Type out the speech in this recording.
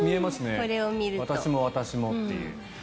私も、私もという。